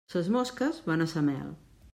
Ses mosques van a sa mel.